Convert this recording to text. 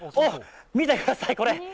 見てください、これ。